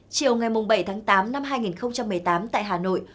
chiều ngày bảy tháng tám năm hai nghìn một mươi tám tại hà nội